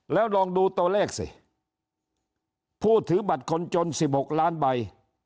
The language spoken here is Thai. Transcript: แล้วลองดูตัวเลขสิผู้ถือบัตรคนจน๑๖ล้านใบ